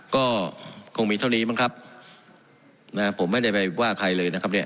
ก็คงมีเท่านี้มั้งครับนะผมไม่ได้ไปว่าใครเลยนะครับเนี่ย